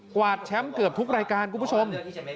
วาดแชมป์เกือบทุกรายการคุณผู้ชม